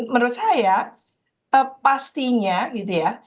menurut saya pastinya gitu ya